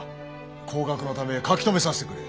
後学のため書き留めさせてくれ。